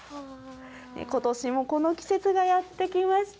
ことしもこの季節がやって来ました。